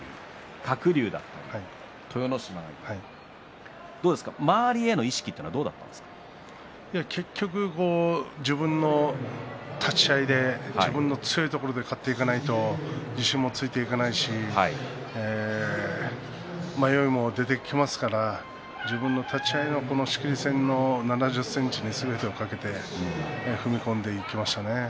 鶴竜、豊ノ島がいたり、結局自分の立ち合いで自分の強いところで勝っていかないと自信もついていかないし迷いも出てきますから自分の立ち合いを仕切り線の７０ｃｍにすべてをかけて踏み込んでいきましたね。